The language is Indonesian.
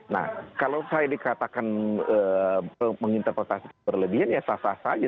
nah kalau saya dikatakan menginterpretasi berlebihan ya sah sah saja